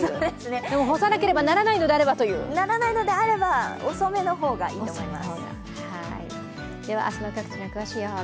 でも干さなければならないのであれば、という。ならないのであれば、遅めの方がいいと思います。